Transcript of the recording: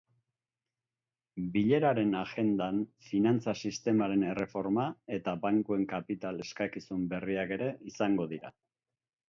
Bileraren agendan finantza sistemaren erreforma eta bankuen kapital eskakizun berriak ere izango dira.